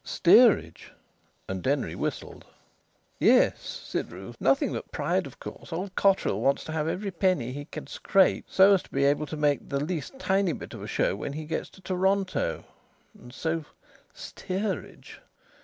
"Steerage?" and Denry whistled. "Yes," said Ruth. "Nothing but pride, of course. Old Cotterill wanted to have every penny he could scrape, so as to be able to make the least tiny bit of a show when he gets to Toronto, and so steerage!